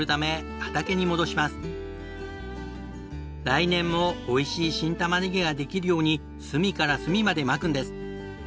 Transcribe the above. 来年もおいしい新たまねぎができるように隅から隅までまくんです。